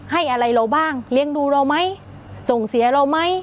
ให้อะไรเราบ้างเลี้ยงดูเราไหมส่งเสียเราไหม